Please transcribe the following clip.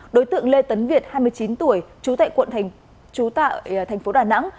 đối tượng lê tấn việt hai mươi chín tuổi chú thệ quận thành phố đà nẵng